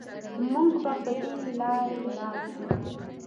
مونږ به په دې لارې لاړ شو